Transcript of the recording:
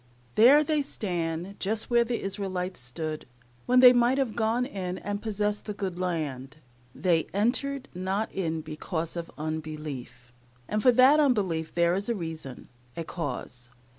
There they stand, just where the Israelites stood, when they might have gone in and possessed the good land. "They entered not in because of unbelief," and for that unbelief there is a reason a cause.